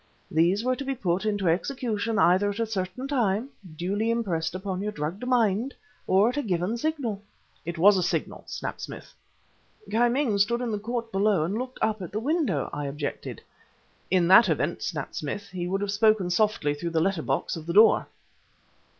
"These were to be put into execution either at a certain time (duly impressed upon your drugged mind) or at a given signal...." "It was a signal," snapped Smith. "Ki Ming stood in the court below and looked up at the window," I objected. "In that event," snapped Smith, "he would have spoken softly, through the letter box of the door!"